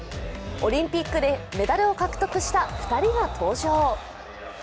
オリンピックでメダルを獲得した２人が登場。